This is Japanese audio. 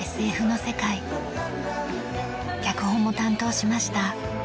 脚本も担当しました。